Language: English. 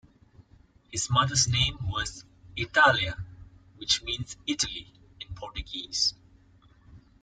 His mother's name was "Itália", which means "Italy" in Portuguese.